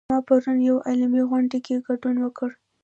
ما پرون یوه علمي غونډه کې ګډون وکړ